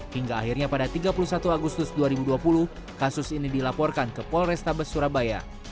hingga akhirnya pada tiga puluh satu agustus dua ribu dua puluh kasus ini dilaporkan ke polrestabes surabaya